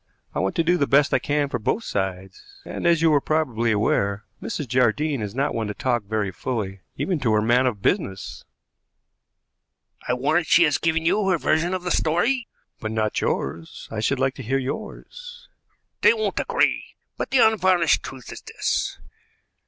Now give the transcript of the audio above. "I want to do the best I can for both sides, and, as you are probably aware, Mrs. Jardine is not one to talk very fully, even to her man of business." "I warrant she has given you her version of the story." "But not yours. I should like to hear yours." "They won't agree; but the unvarnished truth is this.